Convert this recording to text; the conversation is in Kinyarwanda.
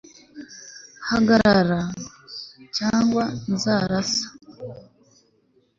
hagarara, cyangwa nzarasa